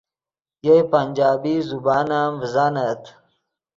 یئے پنجابی زبان ام ڤزانت